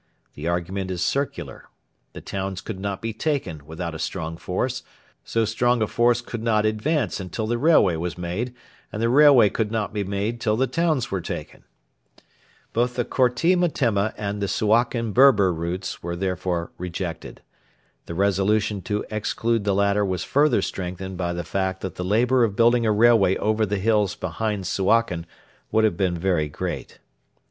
The argument is circular. The towns could not be taken without a strong force; so strong a force could not advance until the railway was made; and the railway could not be made till the towns were taken. Both the Korti Metemma and the Suakin Berber routes were therefore rejected. The resolution to exclude the latter was further strengthened by the fact that the labour of building a railway over the hills behind Suakin would have been very great.